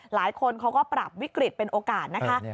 หลายคนเขาก็ปรับวิกฤตเป็นโอกาสนะคะ